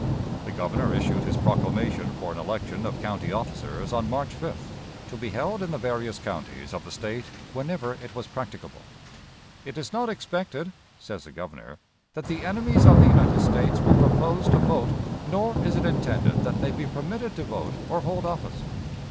The Governor issued his proclamation for an election of county officers on March 5th, to be held in the various counties of the State whenever it was practicable. "It is not expected," says the Governor, "that the enemies of the United States will propose to vote, nor is it intended that they be permitted to vote or hold office."